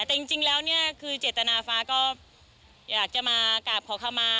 แต่จริงแล้วเนี่ยคือเจตนาฟ้าก็อยากจะมากราบขอเข้ามา